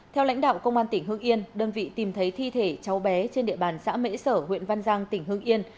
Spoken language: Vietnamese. theo lãnh đạo công an tỉnh hương yên đơn vị tìm thấy thi thể cháu bé trên địa bàn xã mễ sở huyện văn giang tỉnh hưng yên